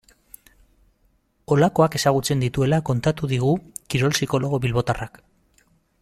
Halakoak ezagutzen dituela kontatu digu kirol psikologo bilbotarrak.